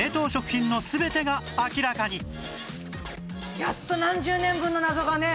やっと何十年分の謎がね。